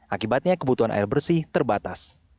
akibatnya kebutuhan air bersih terbatas